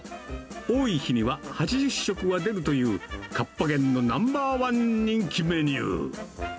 多い日には８０食は出るという、河童軒のナンバー１人気メニュー。